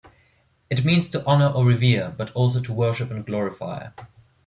It means to honour or revere, but also to worship and glorify.